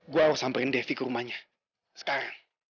gue harus samperin devi ke rumahnya sekarang